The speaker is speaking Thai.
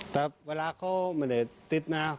แต่เวลาเขาไม่ได้ติดนะ